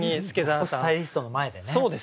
トップスタイリストの前でね。